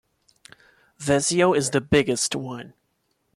Vesio is the biggest one.